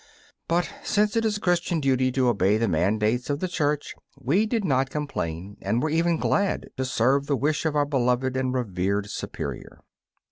But since it is Christian duty to obey the mandates of the Church, we did not complain, and were even glad to serve the wish of our beloved and revered Superior.